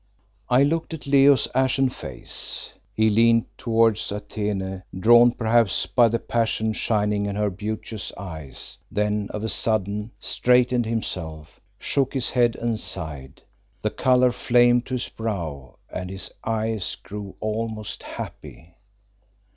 I looked at Leo's ashen face. He leaned towards Atene, drawn perhaps by the passion shining in her beauteous eyes, then of a sudden straightened himself, shook his head and sighed. The colour flamed to his brow, and his eyes grew almost happy.